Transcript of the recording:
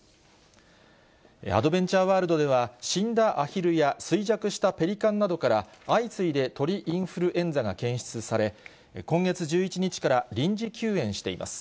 アドベンチャーワールドでは、死んだアヒルや衰弱したペリカンなどから、相次いで鳥インフルエンザが検出され、今月１１日から、臨時休園しています。